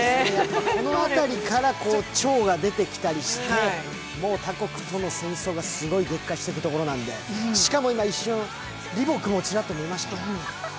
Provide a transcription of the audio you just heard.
この辺りから長が出てきたりしてもう他国との戦争がすごい激化していくところなんで、しかも今、一瞬、ちらっと見えました。